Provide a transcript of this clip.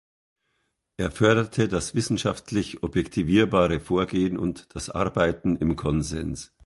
Er förderte das wissenschaftlich-objektivierbare Vorgehen und das Arbeiten im Konsens.